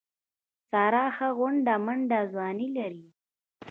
ساره ښه غونډه منډه ځواني لري.